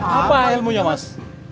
apa ilmunya mas